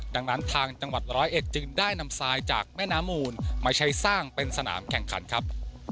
ดังนั้นทางจังหวัดร้อยเอ็ดจึงได้นำทรายจากแม่น้ำมูลมาใช้สร้างเป็นสนามแข่งขันครับ